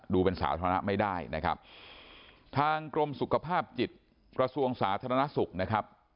ดูเป็นสาธารณะไม่ได้นะครับทางกรมสุขภาพจิตกระทรวงสาธารณสุขนะครับ